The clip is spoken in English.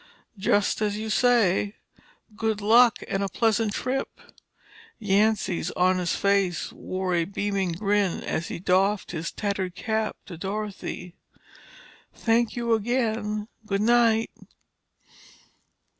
"Just as you say. Good luck and a pleasant trip." Yancy's honest face wore a beaming grin as he doffed his tattered cap to Dorothy. "Thank you again. Good night."